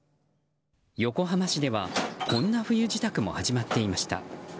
横浜市ではこんな冬支度も始まっていました。